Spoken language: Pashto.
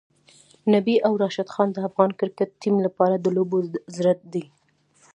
نبی او راشدخان د افغان کرکټ ټیم لپاره د لوبو زړه دی.